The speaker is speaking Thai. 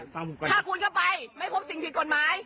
ถ้าคุณเข้าไปไม่พบสิ่งผิดกฎหมาย